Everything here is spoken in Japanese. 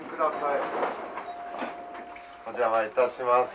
あっお邪魔いたします。